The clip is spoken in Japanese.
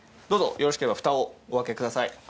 どうぞよろしければフタをお開けください。